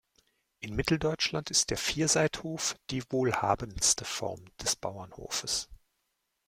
In Mitteldeutschland ist der Vierseithof die wohlhabendste Form des Bauernhofes.